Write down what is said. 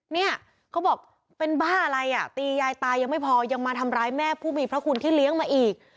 เนี่ยเขาบอกเป็นบ้าอะไรอ่ะตียายตายังไม่พอยังมาทำร้ายแม่ผู้มีพระคุณที่เลี้ยงมาอีก